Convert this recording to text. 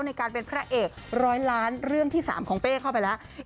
ในการเป็นพระเอกร้อยล้านเรื่องที่๓ของเป้เข้าไปแล้ว